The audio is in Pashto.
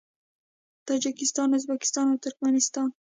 تاجکستان، ازبکستان او ترکمنستان